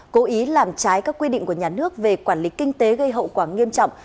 cố ý làm trái các quy định của nhà nước về quản lý kinh tế gây hậu quả nghiêm trọng